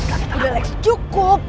udah lex cukup